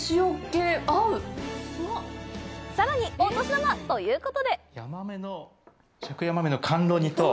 さらに、お年玉！ということで。